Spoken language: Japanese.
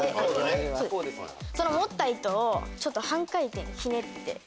持った糸を半回転ひねって。